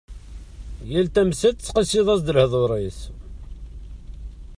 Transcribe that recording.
Yal tamsalt tettqisiḍ-as-d lehdur-is.